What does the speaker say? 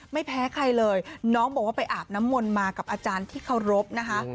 ไม่แพ้ใครเลยน้องบอกว่าไปอาบน้ำมนต์มากับอาจารย์ที่เคารพนะคะ